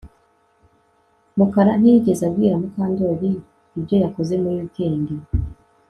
Mukara ntiyigeze abwira Mukandoli ibyo yakoze muri wikendi